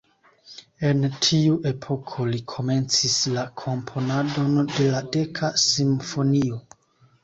En tiu epoko, li komencis la komponadon de la "Deka Simfonio".